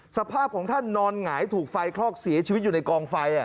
สภาพของท่านนอนหงายถูกไฟคลอกเสียชีวิตอยู่ในกองไฟ